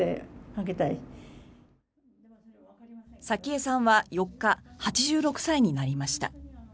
早紀江さんは４日８６歳になりました。